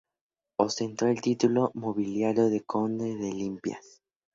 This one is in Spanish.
Ostentó el título nobiliario de conde de Limpias.